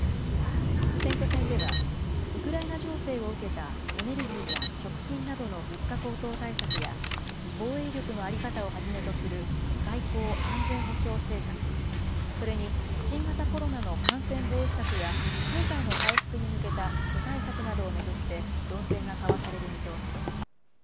選挙戦では、ウクライナ情勢を受けたエネルギーや食品などの物価高騰対策や、防衛力の在り方をはじめとする外交・安全保障政策、それに新型コロナの感染防止策や、経済の回復に向けた具体策などを巡って、論戦が交わされる見通しです。